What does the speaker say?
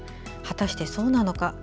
果たしてそうなのか？